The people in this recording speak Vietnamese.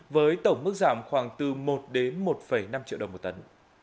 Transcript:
với tổng mức giảm khoảng từ một đến một năm triệu đồng một tấn